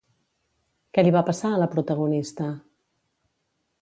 Què li va passar a la protagonista?